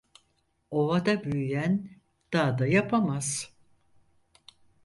Ovada büyüyen dağda yapamaz…